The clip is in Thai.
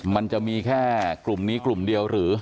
มันจะมีแค่กลุ่มนี้กลุ่มเดียวหรือ